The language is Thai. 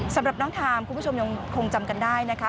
สำหรับน้องทามคุณผู้ชมยังคงจำกันได้นะคะ